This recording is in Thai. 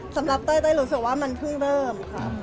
สำหรับเต้ยรู้สึกว่ามันเพิ่งเริ่ม